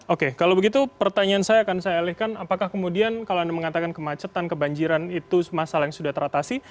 oke kalau begitu pertanyaan saya akan saya alihkan apakah kemudian kalau anda mengatakan kemacetan kebanjiran itu masalah yang sudah teratasi